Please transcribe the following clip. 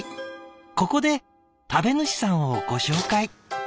ここで食べ主さんをご紹介」。